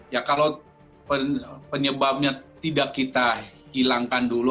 ya kalau penyebabnya tidak kita hilangkan dulu